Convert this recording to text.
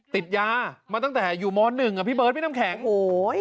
ติดยามาตั้งแต่อยู่ม๑อ่ะพี่เบิร์ตพี่น้ำแข็งโหย